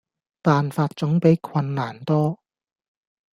辦法總比困難多